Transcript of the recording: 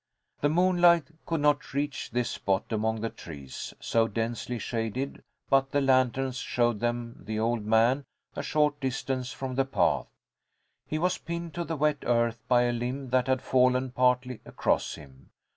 The moonlight could not reach this spot among the trees, so densely shaded, but the lanterns showed them the old man a short distance from the path. He was pinned to the wet earth by a limb that had fallen partly across him.